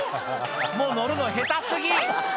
もう乗るの下手過ぎ！